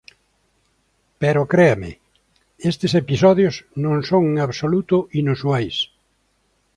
Pero créame, estes episodios non son en absoluto inusuais.